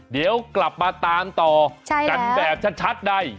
เดี๋ยวกลับมาตามต่อกันแบบชัดใน